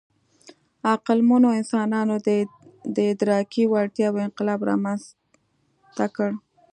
عقلمنو انسانانو د ادراکي وړتیاوو انقلاب رامنځ ته کړ.